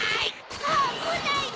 あっこないで！